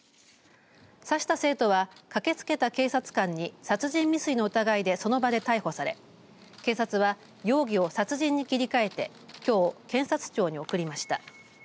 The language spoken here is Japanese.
刺した生徒は駆けつけた警察官に殺人未遂の疑いでその場で逮捕され警察は、容疑を殺人に切り替えてきょう、検察庁に送りました。